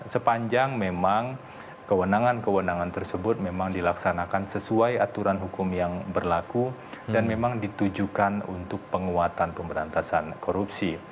sepanjang memang kewenangan kewenangan tersebut memang dilaksanakan sesuai aturan hukum yang berlaku dan memang ditujukan untuk penguatan pemberantasan korupsi